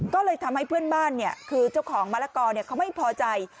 ก็เลยทำให้เพื่อนบ้านคือเจ้าของมะละกอเขาไม่พอใจ